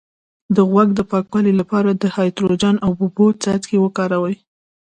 د غوږ د پاکوالي لپاره د هایدروجن او اوبو څاڅکي وکاروئ